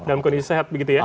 dalam kondisi sehat begitu ya